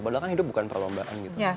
padahal kan hidup bukan perlombaan gitu